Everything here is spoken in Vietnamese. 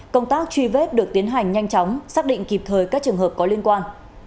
công tác truy vết được tiến hành nhanh chóng xác định kịp thời các trường hợp có liên quan